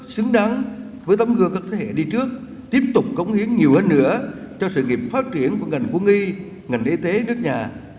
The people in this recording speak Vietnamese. xứng đáng với tấm gương các thế hệ đi trước tiếp tục cống hiến nhiều hơn nữa cho sự nghiệp phát triển của ngành quân y ngành y tế nước nhà